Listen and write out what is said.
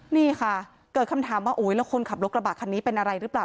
นี่ค่ะเกิดคำถามว่าแล้วคนขับรถกระบะคันนี้เป็นอะไรหรือเปล่า